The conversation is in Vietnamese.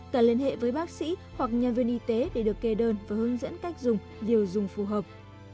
cần liên hệ với bác sĩ hoặc nhân viên y tế để được kê đơn và hướng dẫn cách dùng điều dùng phù hợp